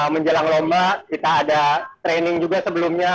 menjelang lomba kita ada training juga sebelumnya